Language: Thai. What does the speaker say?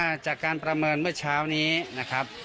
จากการประเมินเมื่อเช้านี้นะครับ